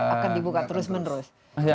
akan dibuka terus menerus